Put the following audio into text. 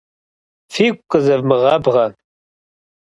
Фигу къызэвмыгъабгъэ.